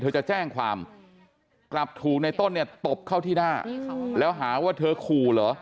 เธอจะแจ้งความกลับถูกในต้นเนี่ยตบเข้าที่หน้าแล้วหาว่าเธอขู่เหรอ